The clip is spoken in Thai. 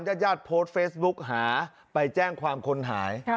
ญาติญาติโพสต์เฟซบุ๊กหาไปแจ้งความคนหาย